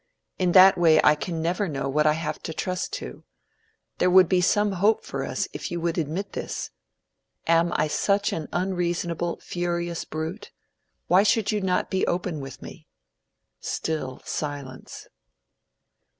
In that way I can never know what I have to trust to. There would be some hope for us if you would admit this. Am I such an unreasonable, furious brute? Why should you not be open with me?" Still silence.